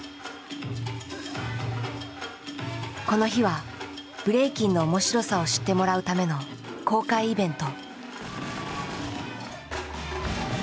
この日はブレイキンの面白さを知ってもらうための公開イベント。